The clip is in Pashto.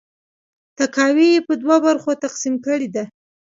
تاکاوی یې په دوه برخو تقسیم کړې ده.